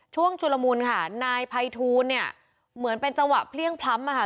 ชุลมุนค่ะนายภัยทูลเนี่ยเหมือนเป็นจังหวะเพลี่ยงพล้ำอะค่ะ